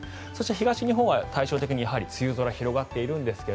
東日本は対照的に梅雨空が広がっているんですが